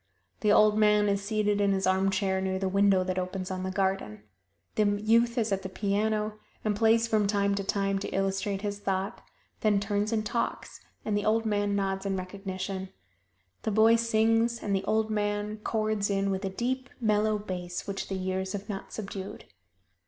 The old man is seated in his armchair near the window that opens on the garden. The youth is at the piano and plays from time to time to illustrate his thought, then turns and talks, and the old man nods in recognition. The boy sings and the old man chords in with a deep, mellow bass which the years have not subdued.